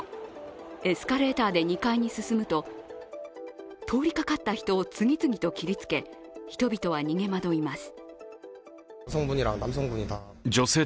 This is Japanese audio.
エスカレーターで２階に進むと通りかかった人を次々と切りつけ人々は逃げ惑います。